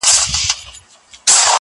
او بیا مجبور یې چي سهار راوړنې